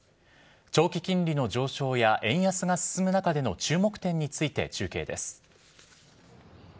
長期金利の上昇や円安が進む中での注目点について中継です。